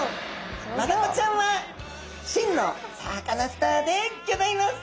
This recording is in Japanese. マダコちゃんは真のサカナスターでギョざいます！